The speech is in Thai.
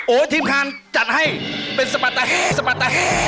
โอ๊ยทีมค้านจัดให้เป็นสมัติคัท